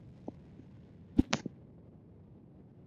The Kanakee Valley School Corporation serves Wheatfield.